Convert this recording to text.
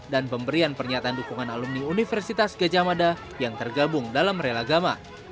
dan pemberian pernyataan dukungan alumni universitas gejamada yang tergabung dalam rela gama